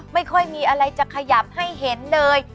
ไม่ค่อยมีอะไรจะขยับให้เห็นเลย